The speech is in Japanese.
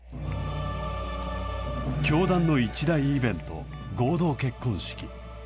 教団の一大イベント、合同結婚式。